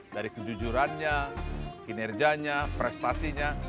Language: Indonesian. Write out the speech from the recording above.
dari kejujurannya kinerjanya prestasinya